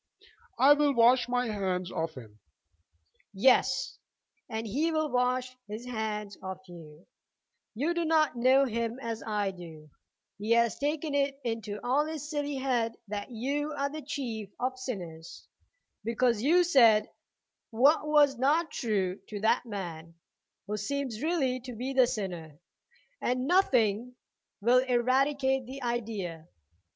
"I will wash my hands of him." "Yes; and he will wash his hands of you. You do not know him as I do. He has taken it into his silly head that you are the chief of sinners because you said what was not true to that man, who seems really to be the sinner, and nothing will eradicate the idea.